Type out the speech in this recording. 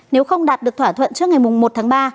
nếu không đạt được thỏa thuận trước ngày một tháng ba